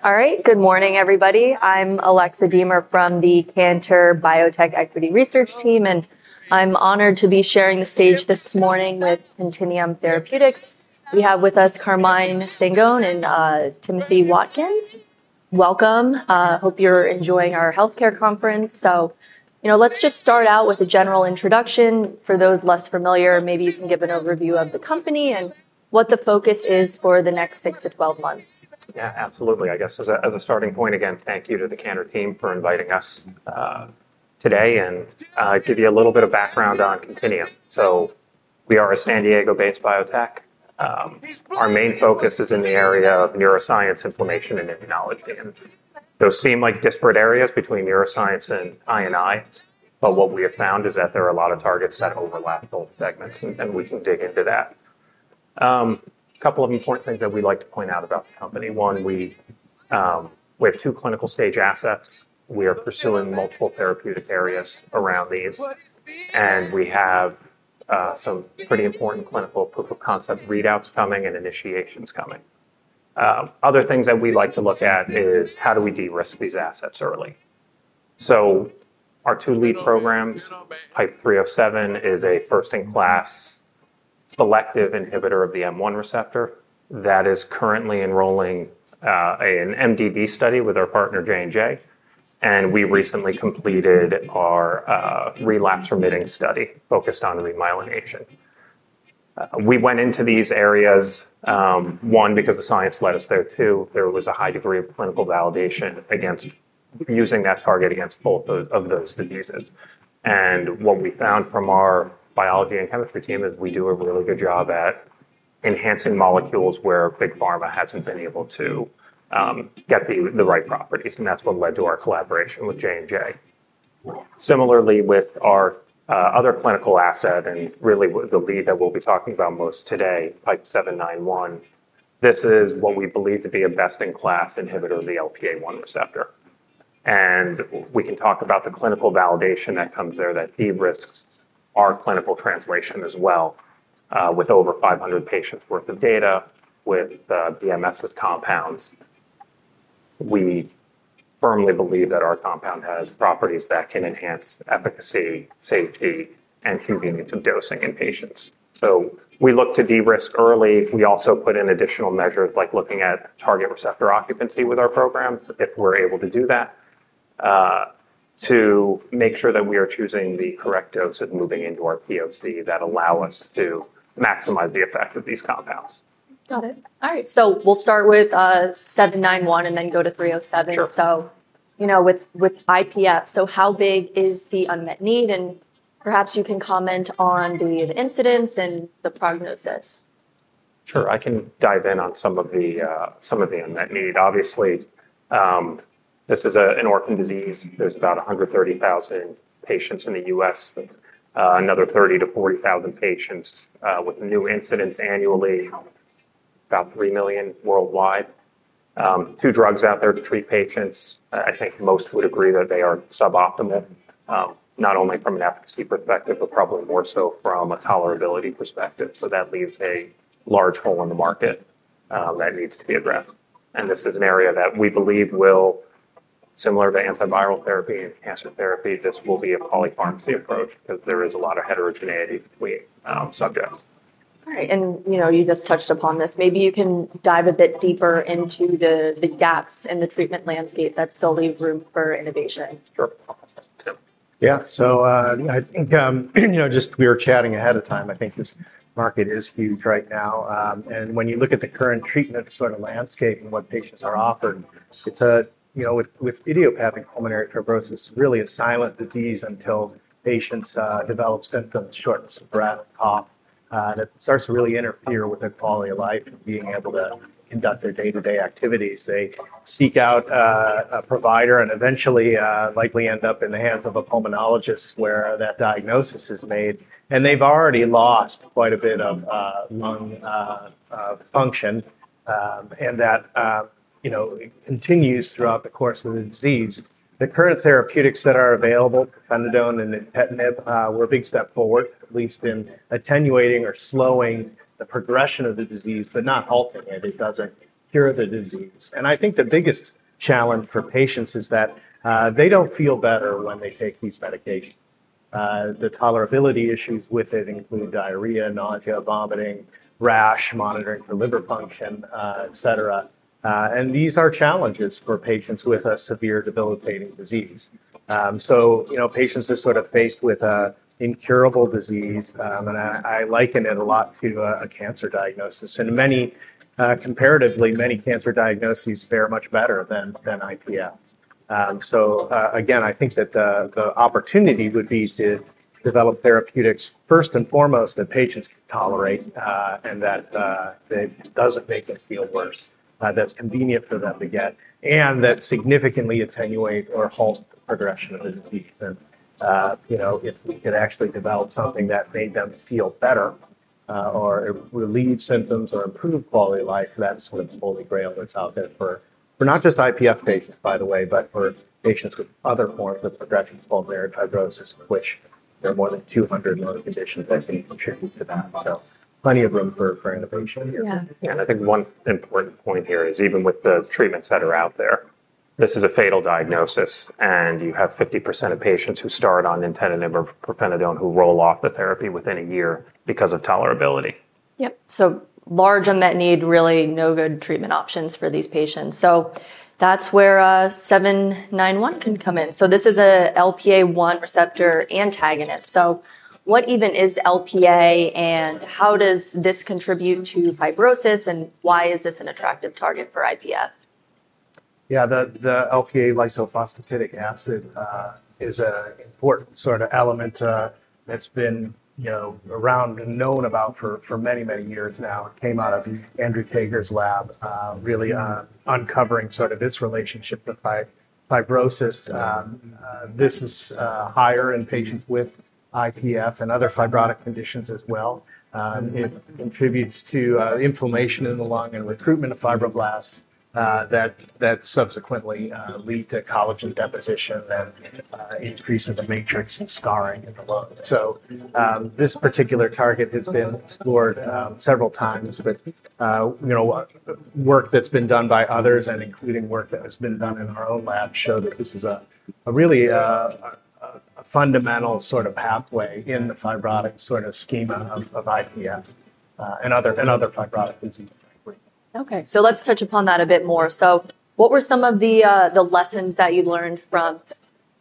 ... All right. Good morning, everybody. I'm Alexa Deemer from the Cantor Biotech Equity Research Team, and I'm honored to be sharing the stage this morning with Contineum Therapeutics. We have with us Carmine Stengone and Timothy Watkins. Welcome. Hope you're enjoying our healthcare conference. So, you know, let's just start out with a general introduction. For those less familiar, maybe you can give an overview of the company and what the focus is for the next six to twelve months. Yeah, absolutely. I guess, as a starting point, again, thank you to the Cantor team for inviting us today, and give you a little bit of background on Contineum. So we are a San Diego-based biotech. Our main focus is in the area of neuroscience, inflammation, and immunology, and those seem like disparate areas between neuroscience and I&I, but what we have found is that there are a lot of targets that overlap both segments, and we can dig into that. A couple of important things that we like to point out about the company: One, we have two clinical stage assets. We are pursuing multiple therapeutic areas around these, and we have some pretty important clinical proof of concept readouts coming and initiations coming. Other things that we like to look at is, how do we de-risk these assets early? So our two lead programs, PIPE-307, is a first-in-class selective inhibitor of the M1 receptor that is currently enrolling an MDD study with our partner, J&J, and we recently completed our relapsing-remitting study focused on remyelination. We went into these areas, one, because the science led us there. Two, there was a high degree of clinical validation against using that target against both of those diseases. And what we found from our biology and chemistry team is we do a really good job at enhancing molecules where big pharma hasn't been able to get the right properties, and that's what led to our collaboration with J&J. Similarly, with our other clinical asset, and really with the lead that we'll be talking about most today, PIPE-791, this is what we believe to be a best-in-class inhibitor of the LPA1 receptor. And we can talk about the clinical validation that comes there that de-risks our clinical translation as well, with over 500 patients' worth of data with the BMS's compounds. We firmly believe that our compound has properties that can enhance efficacy, safety, and convenience of dosing in patients. So we look to de-risk early. We also put in additional measures, like looking at target receptor occupancy with our programs, if we're able to do that, to make sure that we are choosing the correct dose and moving into our POC that allow us to maximize the effect of these compounds. Got it. All right, so we'll start with 791 and then go to 307. Sure. So, you know, with IPF, so how big is the unmet need? And perhaps you can comment on the incidence and the prognosis. Sure, I can dive in on some of the unmet need. Obviously, this is an orphan disease. There's about 130,000 patients in the U.S., with another 30,000 to 40,000 patients with new incidences annually. About 3 million worldwide. Two drugs out there to treat patients. I think most would agree that they are suboptimal, not only from an efficacy perspective, but probably more so from a tolerability perspective. So that leaves a large hole in the market that needs to be addressed, and this is an area that we believe will, similar to antiviral therapy and cancer therapy, this will be a polypharmacy approach because there is a lot of heterogeneity between subjects. All right. And, you know, you just touched upon this. Maybe you can dive a bit deeper into the gaps in the treatment landscape that still leave room for innovation. Sure. Yeah. So, I think, you know, just we were chatting ahead of time, I think this market is huge right now. And when you look at the current treatment sort of landscape and what patients are offered, it's a... You know, with idiopathic pulmonary fibrosis, really a silent disease until patients develop symptoms, shortness of breath and cough, that starts to really interfere with their quality of life and being able to conduct their day-to-day activities. They seek out a provider and eventually likely end up in the hands of a pulmonologist, where that diagnosis is made, and they've already lost quite a bit of lung function, and that, you know, continues throughout the course of the disease. The current therapeutics that are available, pirfenidone and nintedanib, were a big step forward, at least in attenuating or slowing the progression of the disease, but not halting it. It doesn't cure the disease. And I think the biggest challenge for patients is that, they don't feel better when they take these medications. The tolerability issues with it include diarrhea, nausea, vomiting, rash, monitoring for liver function, et cetera. And these are challenges for patients with a severe debilitating disease. So, you know, patients are sort of faced with an incurable disease, and I liken it a lot to a cancer diagnosis. And many, comparatively, cancer diagnoses fare much better than IPF. So, again, I think that the opportunity would be to develop therapeutics first and foremost, that patients can tolerate, and that doesn't make them feel worse, that's convenient for them to get, and that significantly attenuate or halt the progression of the disease. And, you know, if we could actually develop something that made them feel better, or relieve symptoms or improve quality of life, that's the holy grail that's out there for not just IPF patients, by the way, but for patients with other forms of progressive pulmonary fibrosis, of which there are more than 200 known conditions that can contribute to that. So plenty of room for innovation. Yeah. I think one important point here is, even with the treatments that are out there, this is a fatal diagnosis, and you have 50% of patients who start on nintedanib or pirfenidone who roll off the therapy within a year because of tolerability. Yep. So large unmet need, really no good treatment options for these patients. So that's where, 791 can come in. So this is a LPA1 receptor antagonist. So what even is LPA, and how does this contribute to fibrosis, and why is this an attractive target for IPF? Yeah, the LPA lysophosphatidic acid is an important sort of element that's been, you know, around and known about for many, many years now. It came out of Andrew Tager's lab really uncovering sort of its relationship with fibrosis. This is higher in patients with IPF and other fibrotic conditions as well. It contributes to inflammation in the lung and recruitment of fibroblasts that subsequently lead to collagen deposition and increase in the matrix and scarring in the lung. So, this particular target has been explored several times, but you know, work that's been done by others and including work that has been done in our own lab show that this is a really a fundamental sort of pathway in the fibrotic sort of schema of IPF and other fibrotic diseases. Okay, so let's touch upon that a bit more. So what were some of the lessons that you learned from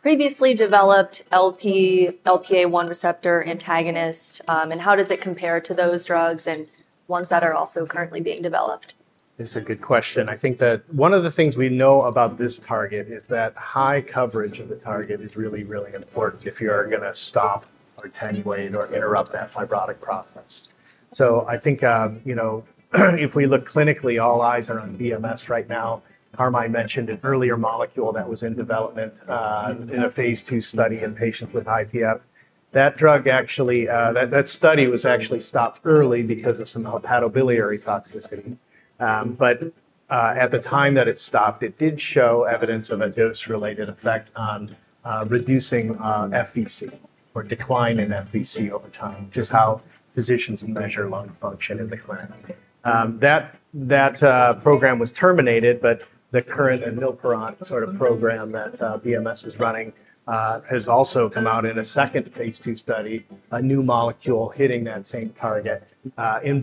previously developed LPA1 receptor antagonists, and how does it compare to those drugs and ones that are also currently being developed? It's a good question. I think that one of the things we know about this target is that high coverage of the target is really, really important if you're gonna stop or attenuate or interrupt that fibrotic process. So I think, you know, if we look clinically, all eyes are on BMS right now. Carmine mentioned an earlier molecule that was in development in a phase 2 study in patients with IPF. That drug actually. That study was actually stopped early because of some hepatobiliary toxicity. But at the time that it stopped, it did show evidence of a dose-related effect on reducing FVC or decline in FVC over time, which is how physicians measure lung function in the clinic. That program was terminated, but the current BMS-986278 sort of program that BMS is running has also come out in a second phase 2 study, a new molecule hitting that same target in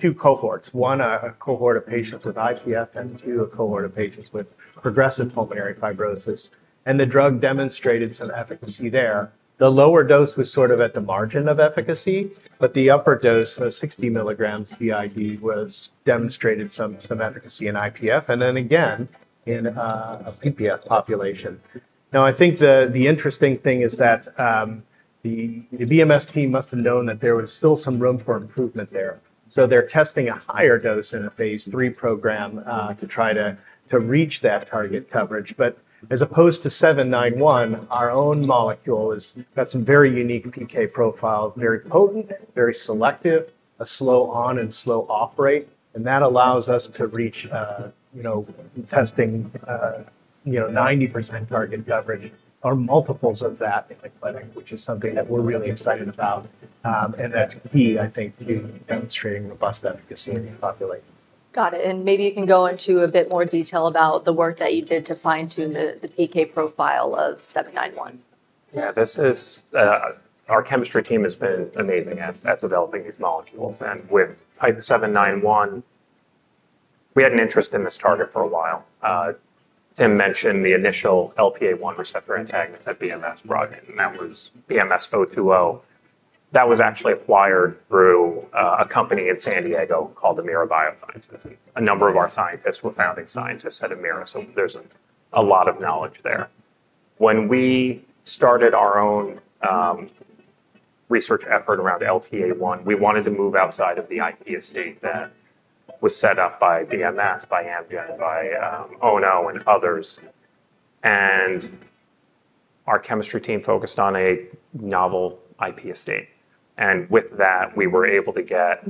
two cohorts. One, a cohort of patients with IPF, and two, a cohort of patients with progressive pulmonary fibrosis, and the drug demonstrated some efficacy there. The lower dose was sort of at the margin of efficacy, but the upper dose, the 60 milligrams BID, was demonstrated some efficacy in IPF and then again in a PPF population. Now, I think the interesting thing is that the BMS team must have known that there was still some room for improvement there, so they're testing a higher dose in a phase 3 program to try to reach that target coverage. But as opposed to PIPE-791, our own molecule has got some very unique PK profiles, very potent, very selective, a slow on and slow off rate, and that allows us to reach, you know, testing, you know, 90% target coverage or multiples of that in the clinic, which is something that we're really excited about. And that's key, I think, to demonstrating robust efficacy in the population. Got it, and maybe you can go into a bit more detail about the work that you did to fine-tune the PK profile of PIPE-791. Yeah, this is. Our chemistry team has been amazing at developing these molecules. With 791, we had an interest in this target for a while. Tim mentioned the initial LPA-1 receptor antagonist that BMS brought in, and that was BMS-020. That was actually acquired through a company in San Diego called Amira Pharmaceuticals. A number of our scientists were founding scientists at Amira, so there's a lot of knowledge there. When we started our own research effort around LPA-1, we wanted to move outside of the IP estate that was set up by BMS, by Amgen, by Ono, and others. Our chemistry team focused on a novel IP estate, and with that, we were able to get,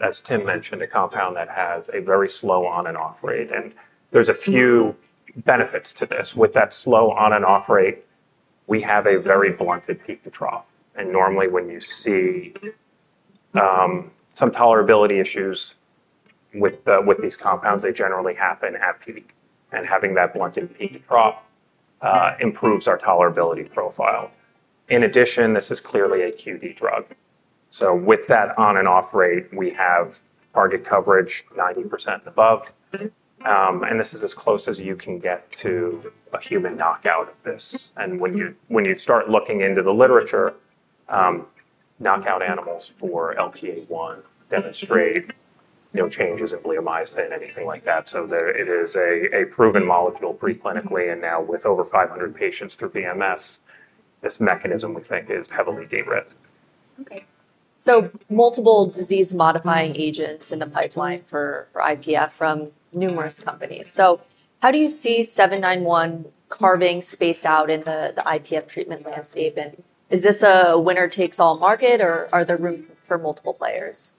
as Tim mentioned, a compound that has a very slow on and off rate, and there's a few benefits to this. With that slow on and off rate, we have a very blunted peak-to-trough, and normally, when you see some tolerability issues with these compounds, they generally happen at peak. And having that blunted peak-to-trough improves our tolerability profile. In addition, this is clearly a QD drug. So with that on and off rate, we have target coverage 90% and above, and this is as close as you can get to a human knockout of this. And when you start looking into the literature, knockout animals for LPA-1 demonstrate no changes in bleomycin, anything like that. So it is a proven molecule preclinically, and now with over 500 patients through BMS, this mechanism, we think, is heavily de-risked. Okay. So multiple disease-modifying agents in the pipeline for IPF from numerous companies. So how do you see PIPE-791 carving space out in the IPF treatment landscape, and is this a winner-takes-all market, or are there room for multiple players?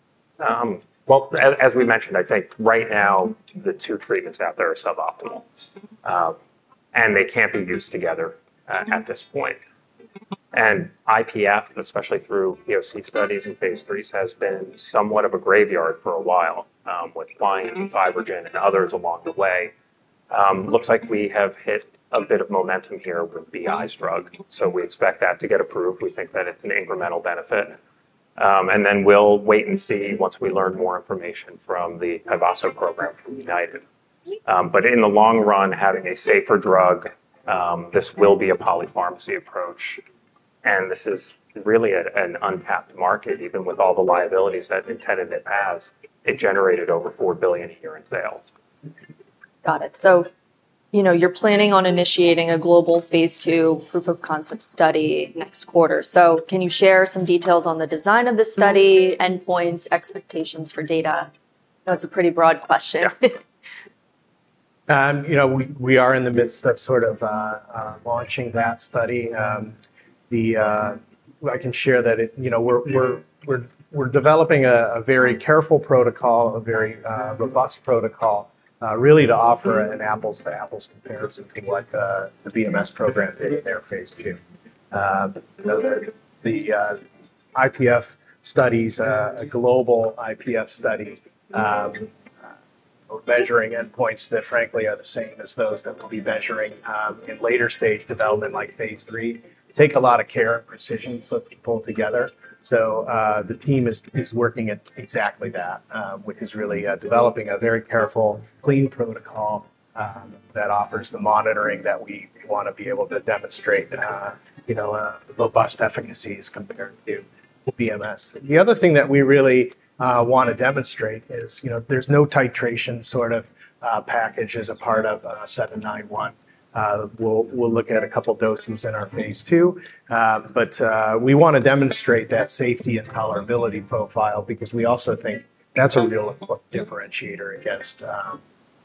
Well, as we mentioned, I think right now, the two treatments out there are suboptimal, and they can't be used together at this point, and IPF, especially through, you know, POC studies and phase 3s, has been somewhat of a graveyard for a while, with Biogen and others along the way. Looks like we have hit a bit of momentum here with BI's drug, so we expect that to get approved. We think that it's an incremental benefit, and then we'll wait and see once we learn more information from the Tyvaso program from United, but in the long run, having a safer drug, this will be a polypharmacy approach, and this is really an untapped market, even with all the liabilities that nintedanib has. It generated over $4 billion a year in sales. Got it. So, you know, you're planning on initiating a global phase 2 proof of concept study next quarter. So can you share some details on the design of the study, endpoints, expectations for data? I know it's a pretty broad question. You know, we are in the midst of sort of launching that study. I can share that you know, we're- Yeah... we're developing a very careful protocol, a very robust protocol, really to offer an apples-to-apples comparison to like the BMS program in their phase 2. You know, the IPF studies, a global IPF study, we're measuring endpoints that, frankly, are the same as those that we'll be measuring in later stage development, like phase 3. Take a lot of care and precision to put people together. So, the team is working at exactly that, which is really developing a very careful, clean protocol that offers the monitoring that we want to be able to demonstrate, you know, robust efficacies compared to BMS. The other thing that we really want to demonstrate is, you know, there's no titration sort of package as a part of PIPE-791. We'll look at a couple of doses in our phase 2, but we want to demonstrate that safety and tolerability profile because we also think that's a real differentiator against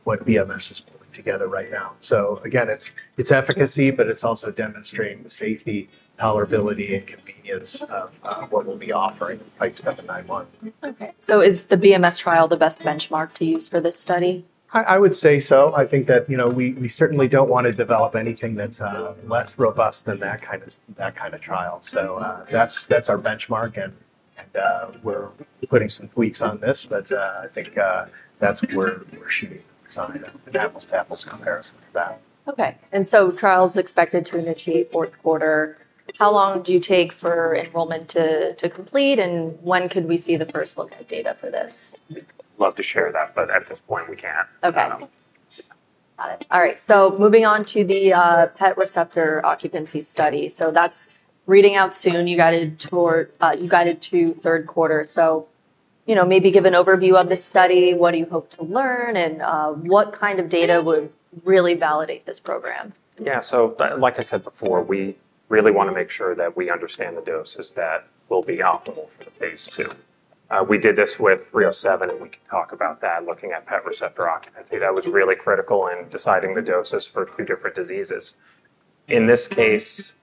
what BMS is putting together right now. So again, it's efficacy, but it's also demonstrating the safety, tolerability, and convenience of what we'll be offering by PIPE-791. Okay, so is the BMS trial the best benchmark to use for this study? I would say so. I think that, you know, we certainly don't want to develop anything that's less robust than that kind of trial. So, that's our benchmark, and we're putting some tweaks on this, but I think that's where we're shooting, on an apples-to-apples comparison to that. Okay. And so trial's expected to initiate fourth quarter. How long do you take for enrollment to complete, and when could we see the first look at data for this? Love to share that, but at this point, we can't. Okay. Um- Got it. All right, so moving on to the PET receptor occupancy study. So that's reading out soon, you guided toward third quarter. So, you know, maybe give an overview of this study, what do you hope to learn, and what kind of data would really validate this program? Yeah. So, like I said before, we really want to make sure that we understand the doses that will be optimal for the phase 2. We did this with 307, and we can talk about that, looking at PET receptor occupancy. That was really critical in deciding the doses for two different diseases. In this case,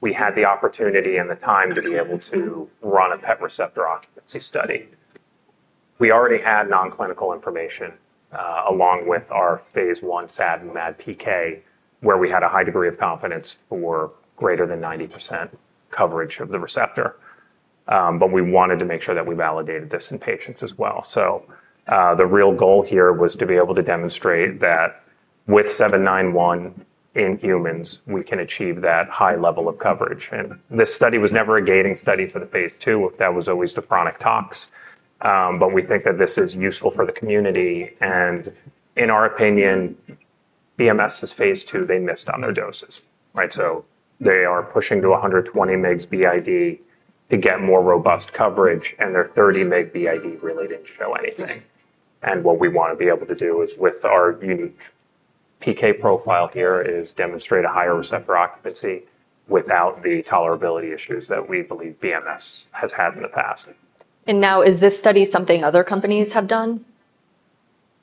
we had the opportunity and the time to be able to run a PET receptor occupancy study. We already had non-clinical information, along with our phase 1 SAD and MAD PK, where we had a high degree of confidence for greater than 90% coverage of the receptor. But we wanted to make sure that we validated this in patients as well. The real goal here was to be able to demonstrate that with PIPE-791 in humans, we can achieve that high level of coverage. And this study was never a gating study for the phase 2. That was always the chronic tox. But we think that this is useful for the community, and in our opinion, BMS's phase 2, they missed on their doses, right? So they are pushing to 120 mg BID to get more robust coverage, and their 30 mg BID really didn't show anything. And what we want to be able to do is, with our unique PK profile here, is demonstrate a higher receptor occupancy without the tolerability issues that we believe BMS has had in the past. Now, is this study something other companies have done?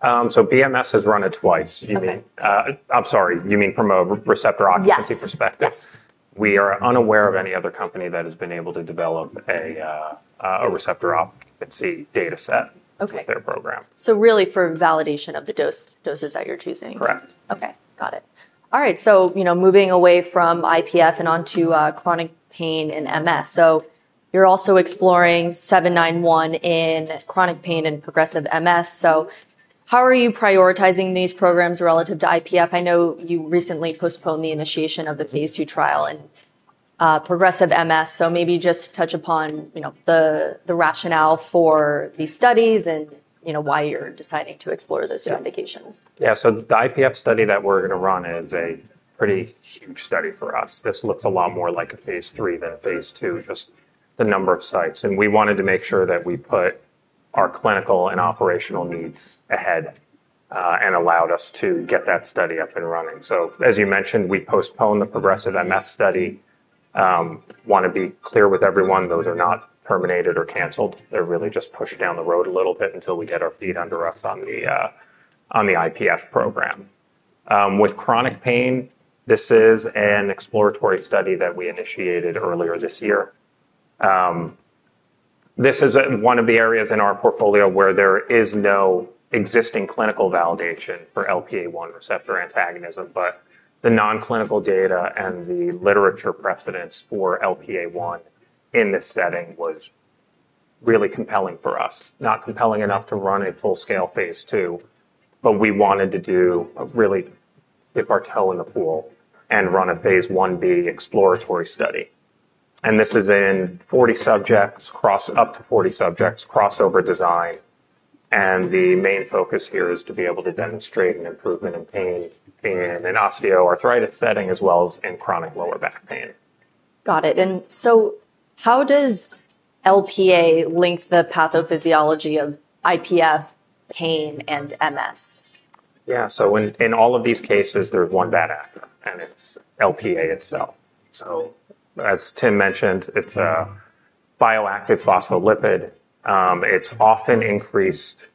So BMS has run it twice. Okay. You mean, I'm sorry, you mean from a receptor occupancy perspective? Yes. Yes. We are unaware of any other company that has been able to develop a receptor occupancy data set- Okay... with their program. So really for validation of the doses that you're choosing? Correct. Okay, got it. All right, so, you know, moving away from IPF and onto, chronic pain and MS. So you're also exploring PIPE-791 in chronic pain and progressive MS, so how are you prioritizing these programs relative to IPF? I know you recently postponed the initiation of the phase 2 trial in, progressive MS. So maybe just touch upon, you know, the, the rationale for these studies and, you know, why you're deciding to explore those two indications. Yeah. So the IPF study that we're going to run is a pretty huge study for us. This looks a lot more like a phase 3 than a phase 2, just the number of sites, and we wanted to make sure that we put our clinical and operational needs ahead and allowed us to get that study up and running. So as you mentioned, we postponed the progressive MS study. Want to be clear with everyone, those are not terminated or canceled. They're really just pushed down the road a little bit until we get our feet under us on the IPF program. With chronic pain, this is an exploratory study that we initiated earlier this year. This is one of the areas in our portfolio where there is no existing clinical validation for LPA1 receptor antagonism, but the non-clinical data and the literature precedence for LPA1 in this setting was really compelling for us. Not compelling enough to run a full-scale phase 2, but we wanted to do a really dip our toe in the pool and run a phase 1B exploratory study. This is in up to 40 subjects, crossover design, and the main focus here is to be able to demonstrate an improvement in pain in an osteoarthritis setting, as well as in chronic lower back pain. Got it. And so how does LPA link the pathophysiology of IPF, pain, and MS? Yeah, so in all of these cases, there's one bad actor, and it's LPA itself. So as Tim mentioned, it's a bioactive phospholipid. It's often increased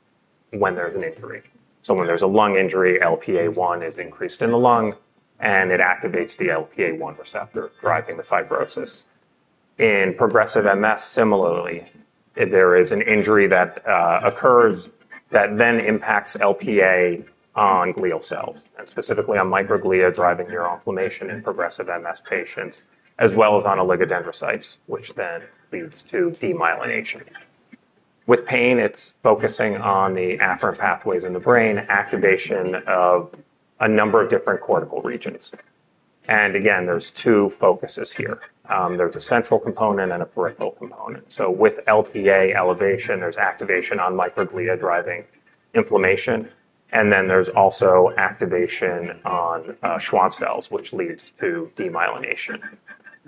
when there's an injury. So when there's a lung injury, LPA1 is increased in the lung, and it activates the LPA1 receptor, driving the fibrosis. In progressive MS, similarly, there is an injury that occurs that then impacts LPA on glial cells, and specifically on microglia, driving neuroinflammation in progressive MS patients, as well as on oligodendrocytes, which then leads to demyelination. With pain, it's focusing on the afferent pathways in the brain, activation of a number of different cortical regions. And again, there's two focuses here. There's a central component and a peripheral component. So with LPA elevation, there's activation on microglia, driving inflammation, and then there's also activation on Schwann cells, which leads to demyelination.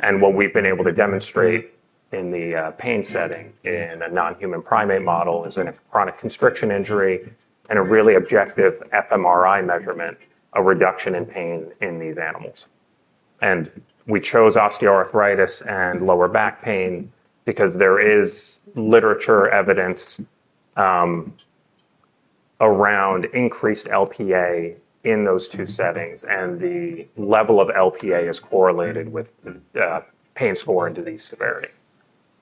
What we've been able to demonstrate in the pain setting in a non-human primate model is a chronic constriction injury and a really objective fMRI measurement of reduction in pain in these animals. We chose osteoarthritis and lower back pain because there is literature evidence around increased LPA in those two settings, and the level of LPA is correlated with the pain score and disease severity.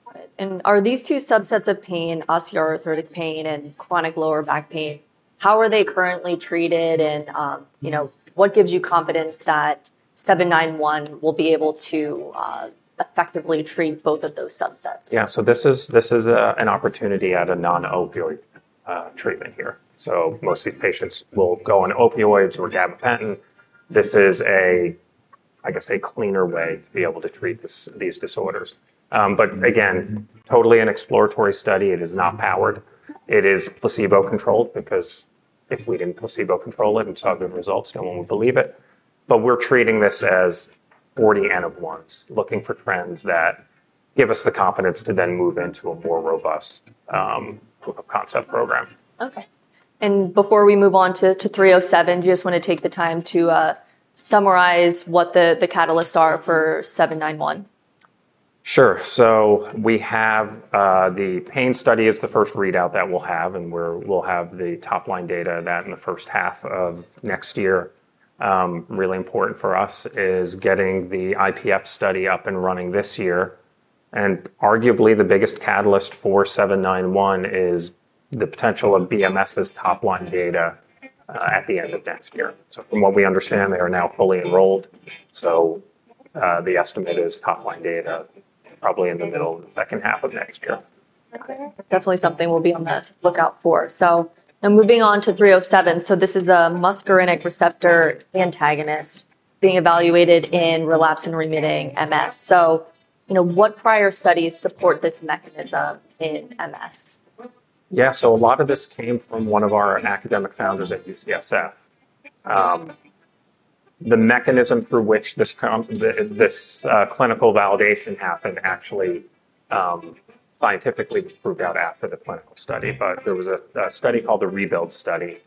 Got it. And are these two subsets of pain, osteoarthritic pain and chronic lower back pain, how are they currently treated and, you know, what gives you confidence that PIPE-791 will be able to effectively treat both of those subsets? Yeah, so this is an opportunity at a non-opioid treatment here. So most of these patients will go on opioids or gabapentin. This is, I guess, a cleaner way to be able to treat these disorders. But again, totally an exploratory study. It is not powered. It is placebo-controlled, because if we didn't placebo control it and saw good results, no one would believe it. But we're treating this as forty N of ones, looking for trends that give us the confidence to then move into a more robust POC concept program. Okay. And before we move on to 307, do you just want to take the time to summarize what the catalysts are for 791? Sure. So we have, the pain study is the first readout that we'll have, and we'll have the top-line data of that in the first half of next year. Really important for us is getting the IPF study up and running this year, and arguably the biggest catalyst for PIPE-791 is the potential of BMS's top-line data at the end of next year. So from what we understand, they are now fully enrolled, the estimate is top-line data, probably in the middle of the second half of next year. Okay. Definitely something we'll be on the lookout for. And moving on to 307, this is a muscarinic receptor antagonist being evaluated in relapsing-remitting MS. You know, what prior studies support this mechanism in MS? Yeah, so a lot of this came from one of our academic founders at UCSF. The mechanism through which this clinical validation happened, actually, scientifically, was proved out after the clinical study. But there was a study called the ReBUILD study.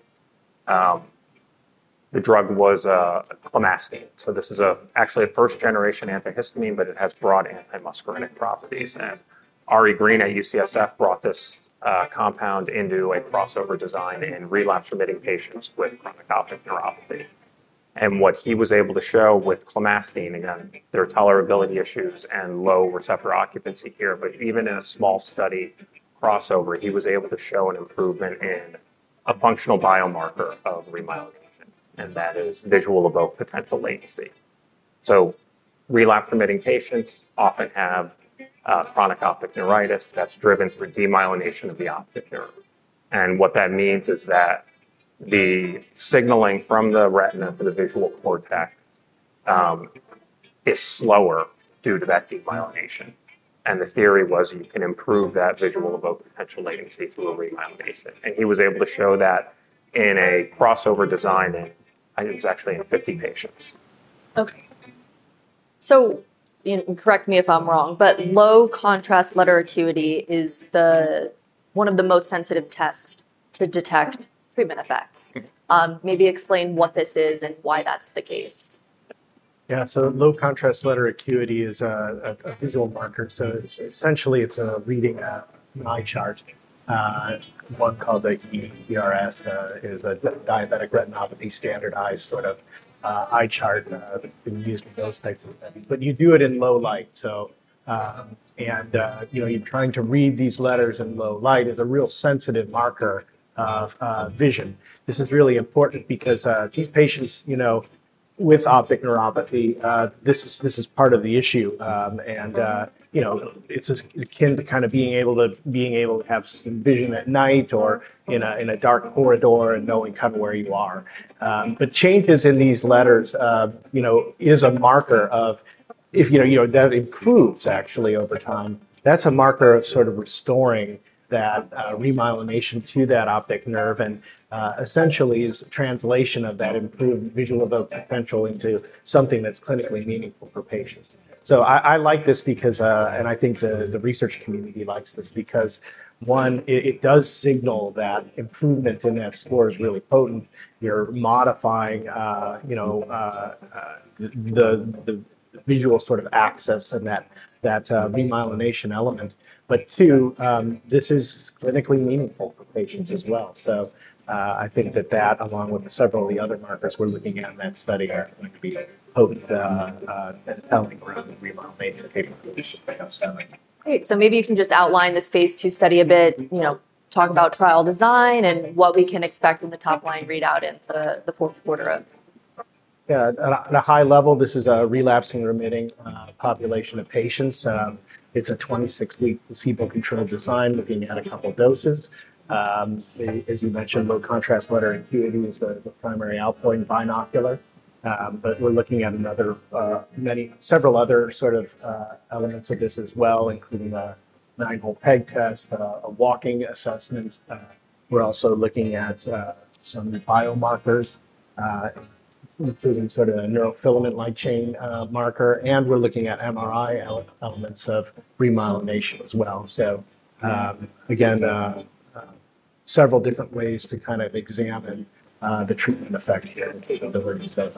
The drug was clemastine. So this is actually a first-generation antihistamine, but it has broad antimuscarinic properties. And Ari Green at UCSF brought this compound into a crossover design in relapsing-remitting patients with chronic optic neuropathy. And what he was able to show with clemastine, again, there are tolerability issues and low receptor occupancy here, but even in a small study crossover, he was able to show an improvement in a functional biomarker of remyelination, and that is visual evoked potential latency. So relapsing-remitting patients often have chronic optic neuritis that's driven through demyelination of the optic nerve, and what that means is that the signaling from the retina to the visual cortex is slower due to that demyelination. And the theory was you can improve that visual evoked potential latency through remyelination, and he was able to show that in a crossover design, and I think it was actually in 50 patients. Okay. So, you know, correct me if I'm wrong, but Low Contrast Letter Acuity is the one of the most sensitive tests to detect treatment effects. Mm-hmm. Maybe explain what this is and why that's the case?... Yeah, so low contrast letter acuity is a visual marker. So it's essentially a reading an eye chart, one called the ETDRS is a diabetic retinopathy standardized sort of eye chart used in those types of studies, but you do it in low light. You know, you're trying to read these letters in low light is a real sensitive marker of vision. This is really important because these patients, you know, with optic neuropathy, this is part of the issue. You know, it's akin to kind of being able to have some vision at night or in a dark corridor and knowing kind of where you are. But changes in these letters, you know, is a marker of if you know that improves actually over time, that's a marker of sort of restoring that remyelination to that optic nerve, and essentially is a translation of that improved visual evoked potential into something that's clinically meaningful for patients. So I like this because and I think the research community likes this, because one, it does signal that improvement in that score is really potent. You're modifying you know the visual sort of access and that remyelination element. But two, this is clinically meaningful for patients as well. So I think that along with several of the other markers we're looking at in that study are going to be potent around remyelination capabilities. Great. So maybe you can just outline this phase II study a bit. You know, talk about trial design and what we can expect in the top line readout in the fourth quarter of- Yeah. At a high level, this is a relapsing-remitting population of patients. It's a 26-week placebo-controlled design, looking at a couple of doses. As you mentioned, low contrast letter acuity is the primary endpoint, binocular. But we're looking at several other sort of elements of this as well, including a Nine-Hole Peg Test, a walking assessment. We're also looking at some biomarkers, including sort of a neurofilament light chain marker, and we're looking at MRI elements of remyelination as well. So, again, several different ways to kind of examine the treatment effect here, capabilities of,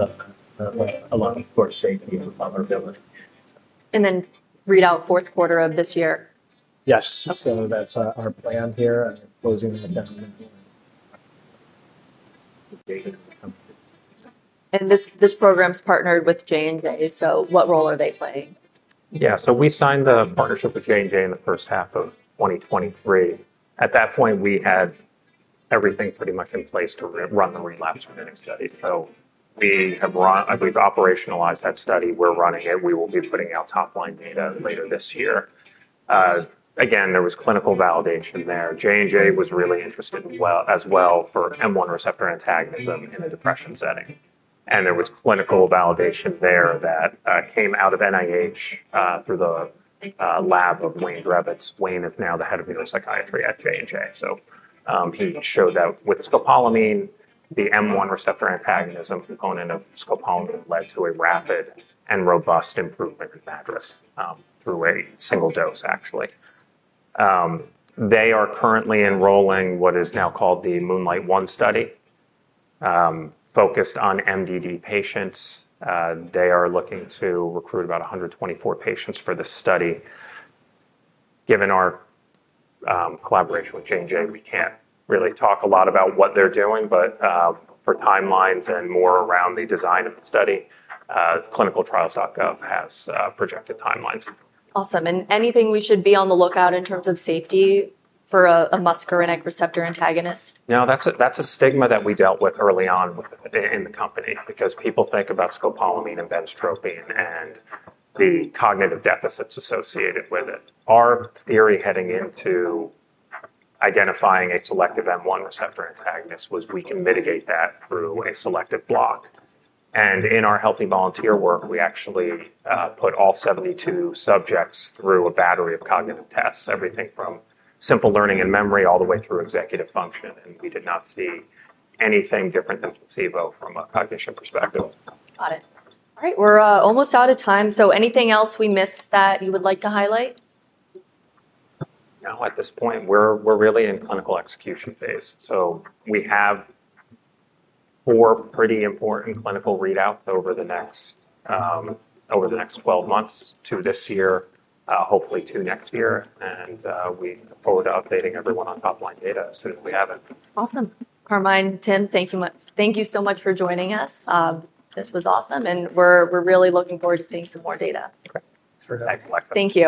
along with, of course, safety and tolerability. And then read out fourth quarter of this year? Yes. So that's our plan here and closing the... This program is partnered with J&J, so what role are they playing? Yeah. So we signed the partnership with J&J in the first half of 2023. At that point, we had everything pretty much in place to re-run the relapsing-remitting study. So we have run. We've operationalized that study. We're running it. We will be putting out top line data later this year. Again, there was clinical validation there. J&J was really interested as well for M1 receptor antagonism in a depression setting, and there was clinical validation there that came out of NIH through the lab of Wayne Drevets. Wayne is now the head of neuropsychiatry at J&J. So he showed that with scopolamine, the M1 receptor antagonism component of scopolamine led to a rapid and robust improvement in MADRS through a single dose, actually. They are currently enrolling what is now called the MOONLIGHT-1 study, focused on MDD patients. They are looking to recruit about 124 patients for this study. Given our collaboration with J&J, we can't really talk a lot about what they're doing, but for timelines and more around the design of the study, ClinicalTrials.gov has projected timelines. Awesome. And anything we should be on the lookout in terms of safety for a muscarinic receptor antagonist? No, that's a stigma that we dealt with early on within the company, because people think about scopolamine and benztropine and the cognitive deficits associated with it. Our theory heading into identifying a selective M1 receptor antagonist was we can mitigate that through a selective block. In our healthy volunteer work, we actually put all 72 subjects through a battery of cognitive tests, everything from simple learning and memory all the way through executive function, and we did not see anything different than placebo from a cognition perspective. Got it. All right, we're almost out of time, so anything else we missed that you would like to highlight? No. At this point, we're really in clinical execution phase. So we have four pretty important clinical readouts over the next 12 months to this year, hopefully to next year. And we look forward to updating everyone on top line data as soon as we have it. Awesome. Carmine, Tim, thank you so much for joining us. This was awesome, and we're really looking forward to seeing some more data. Okay. Thanks for having us. Thank you.